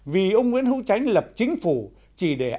vì ông nguyễn hữu tránh lập chính phủ chỉ để áp